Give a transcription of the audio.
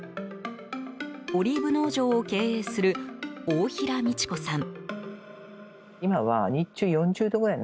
オリーブ農場を経営する大平美智子さん。